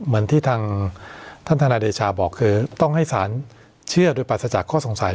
เหมือนที่ทางท่านธนายเดชาบอกคือต้องให้สารเชื่อโดยปราศจากข้อสงสัย